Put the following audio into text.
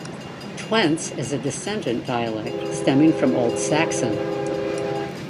Tweants is a descendant dialect stemming from Old Saxon.